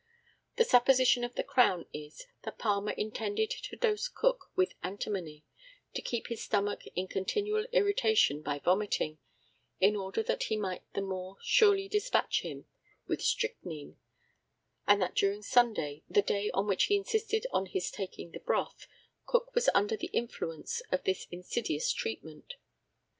The supposition of the Crown is, that Palmer intended to dose Cook with antimony to keep his stomach in continual irritation by vomiting, in order that he might the more surely despatch him with strychnine; and that during Sunday, the day on which he insisted on his taking the broth, Cook was under the influence of this insidious treatment.